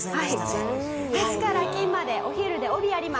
月から金までお昼で帯やります。